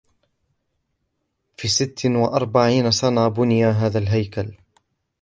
في ست وأربعين سنة بني هذا الهيكل.